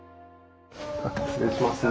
失礼します。